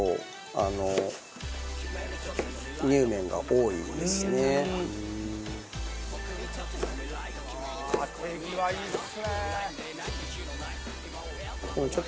ああー手際いいですね！